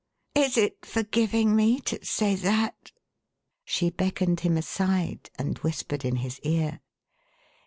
"Is it forgiving me, to say that?" She beckoned him aside, and whispered in his ear.